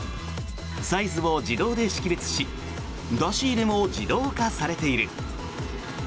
サイズを自動で識別し出し入れも自動化されている。